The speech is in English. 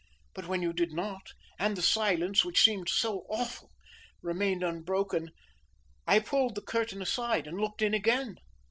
But when you did not and the silence, which seemed so awful, remained unbroken, I pulled the curtain aside and looked in again.